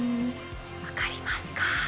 分かりますか？